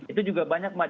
itu juga banyak mas